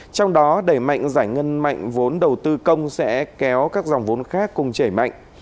trong đó đẩy mạnh giải ngân mạnh vốn đầu tư công sẽ kéo các dòng vốn khác cùng chảy mạnh